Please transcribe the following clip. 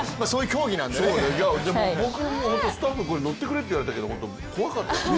でも、僕もスタッフにのってくれって言われたけど、怖かったよ。